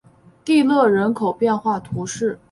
蒂勒人口变化图示